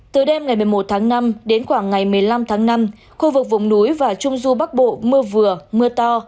từ đêm ngày một mươi một tháng năm đến khoảng ngày một mươi năm tháng năm khu vực vùng núi và trung du bắc bộ mưa vừa mưa to